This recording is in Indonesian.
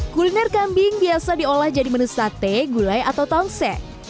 kuliner kambing biasa diolah jadi menu sate gulai atau tongseng